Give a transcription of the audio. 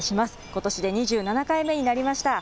ことしで２７回目になりました。